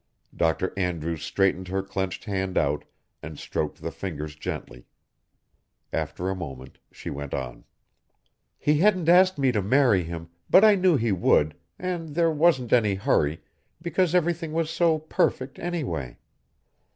Dr. Andrews straightened her clenched hand out and stroked the fingers gently. After a moment, she went on. "He hadn't asked me to marry him, but I knew he would, and there wasn't any hurry, because everything was so perfect, anyway.